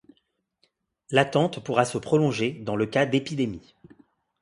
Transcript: L'attente pourra se prolonger dans le cas d'épidémies.